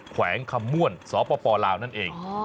แขวงคำม่วนสปลาวนั่นเอง